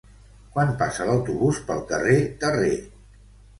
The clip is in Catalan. Quan passa l'autobús pel carrer Terré?